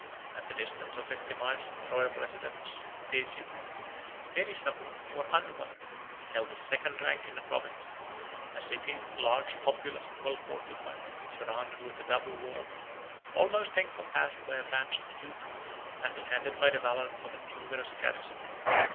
At the distance of fifty miles from the royal residence of Ctesiphon, Perisabor, 5711 or Anbar, held the second rank in the province; a city, large, populous, and well fortified, surrounded with a double wall, almost encompassed by a branch of the Euphrates, and defended by the valor of a numerous garrison.